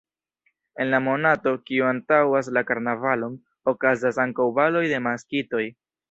En la monato, kiu antaŭas la karnavalon, okazas ankaŭ baloj de maskitoj.